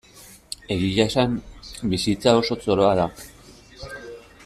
Egia esan, bizitza oso zoroa da.